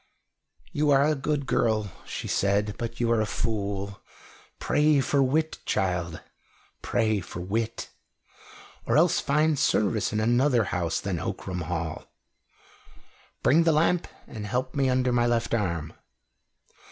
"You are a good girl," she said, "but you are a fool. Pray for wit, child, pray for wit or else find service in another house than Ockram Hall. Bring the lamp and help me under my left arm."